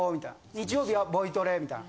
「日曜日は？」「ボイトレ」みたいな。